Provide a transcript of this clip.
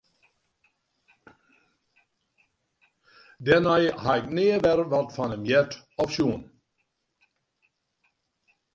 Dêrnei ha ik nea wer wat fan him heard of sjoen.